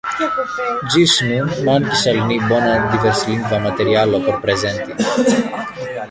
Ĝis nun mankis al ni bona diverslingva materialo por prezenti.